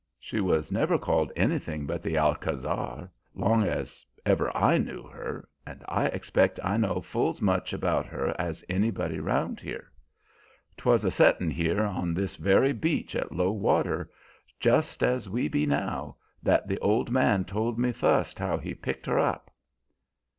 She was never called anythin' but the Alcázar, long as ever I knew her, and I expect I know full's much about her as anybody round here. 'Twas a settin' here on this very beach at low water, just's we be now, that the old man told me fust how he picked her up.